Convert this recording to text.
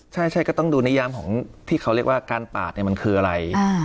ใช่ก็ต้องดูนิยามของที่เขาเรียกว่าการปาดเนี่ยมันคืออะไร